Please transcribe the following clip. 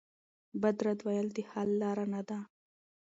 بد رد ویل د حل لاره نه ده.